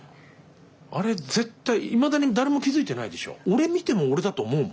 あれ絶対いまだに誰も気付いてないでしょ。